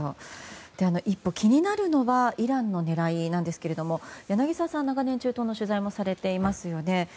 一方、気になるのはイランの狙いなんですが柳澤さん、長年中東の取材もされていますよね。